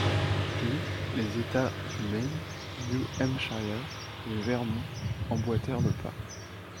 Puis, les États du Maine, New Hampshire, et Vermont emboîtèrent le pas.